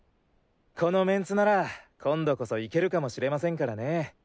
この面子なら今度こそいけるかもしれませんからね。